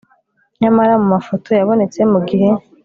nyamara mumafoto yabonetse mugihe